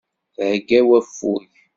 Thegga i waffug.